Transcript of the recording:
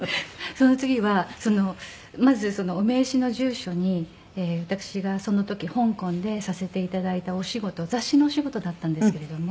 その次はまずお名刺の住所に私がその時香港でさせて頂いたお仕事雑誌のお仕事だったんですけれども。